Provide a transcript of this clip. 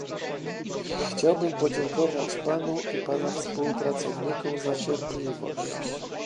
Chciałbym podziękować panu i pana współpracownikom za cierpliwość